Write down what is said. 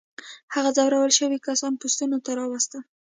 هغه ځورول شوي کسان پوستونو ته راوستل.